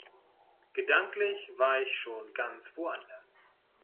Gedanklich war ich schon ganz woanders.